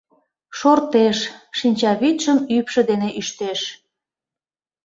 Шортеш, шинчавӱдшым ӱпшӧ дене ӱштеш.